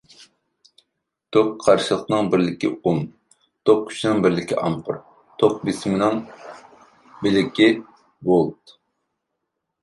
توك قارشىلىقىنىڭ بىرلىكى ئوم، توك كۈچىنىڭ بىرلىك ئامپېر، توك بېسىمنىڭ بىلىكى ۋولت.